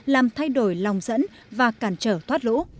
làm thay đổi lòng dẫn và cản trở thoát lũ